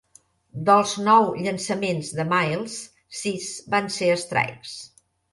Dels nou llançaments de Miles, sis van ser strikes.